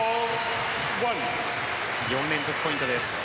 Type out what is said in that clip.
４連続ポイントです。